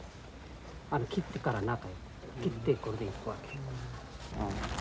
切ってから中へ切ってこれでいくわけ。